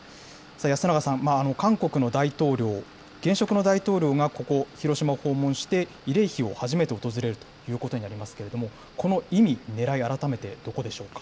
安永さん、韓国の大統領、現職の大統領がここ、広島を訪問して、慰霊碑を初めて訪れるということになりますけれども、この意味、ねらい、改めてどこでしょうか。